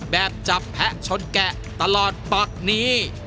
แบบจับแพะชนแกะตลอดปักนี้